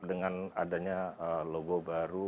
dengan adanya logo baru